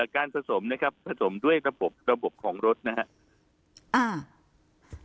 การผสมนะครับผสมด้วยระบบระบบของรถนะครับ